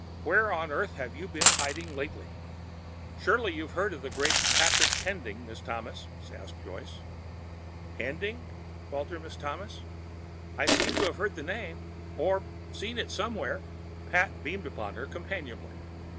Where on earth have you been hiding lately?" "Surely you've heard of the great Patrick Pending, Miss Thomas?" asked Joyce. "Pending?" faltered Miss Thomas. "I seem to have heard the name. Or seen it somewhere—" Pat beamed upon her companionably.